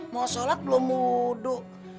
mau sholat belum wudhu